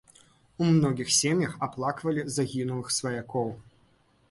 У многіх сем'ях аплаквалі загінулых сваякоў.